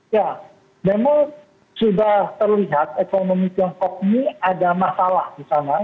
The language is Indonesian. ya memang sudah terlihat ekonomi tiongkok ini ada masalah di sana